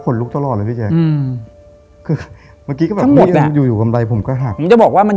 คนลุกตลอดเลยพี่เจ๊